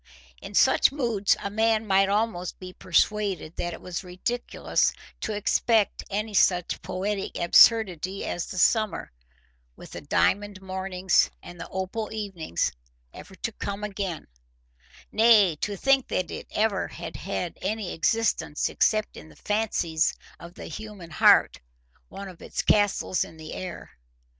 In such moods a man might almost be persuaded that it was ridiculous to expect any such poetic absurdity as the summer, with its diamond mornings and its opal evenings, ever to come again; nay, to think that it ever had had any existence except in the fancies of the human heart—one of its castles in the air.